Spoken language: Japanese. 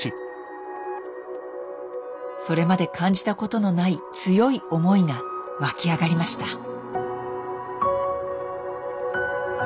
それまで感じたことのない強い思いがわき上がりました。